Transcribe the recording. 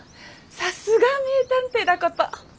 さすが名探偵だこと。